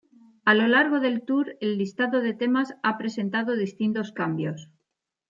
A lo largo del Tour, el listado de temas ha presentado distintos cambios.